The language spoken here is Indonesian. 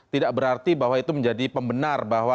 tidak berarti bahwa itu menjadi pembenar bahwa